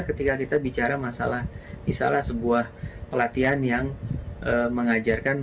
bagaimana cara kita mengajarkan pelatihan yang dapat kita jual